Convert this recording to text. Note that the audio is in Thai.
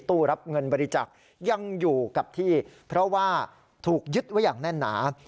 ตู้รับเงินบริจาคยังอยู่กับที่เพราะว่าถูกยึดไว้อย่างแน่นหนา